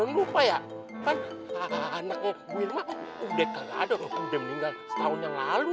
lupa ya kan anaknya bu hirma udah kalah dong udah meninggal setahun yang lalu